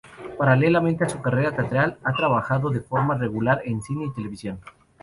Paralelamente a su carrera teatral, ha trabajado de forma regular en cine y televisión.